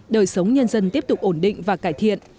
đời sống nhân dân tiếp tục ổn định và cải thiện